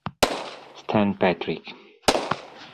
Stan Patrick